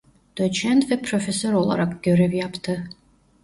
Doçent ve profesör olarak görev yaptı.